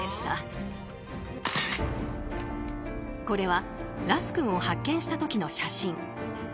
これはラス君を発見した時の写真。